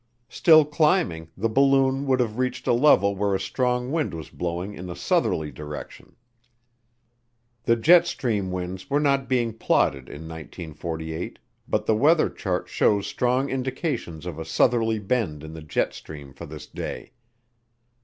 Still climbing, the balloon would have reached a level where a strong wind was blowing in a southerly direction. The jet stream winds were not being plotted in 1948 but the weather chart shows strong indications of a southerly bend in the jet stream for this day.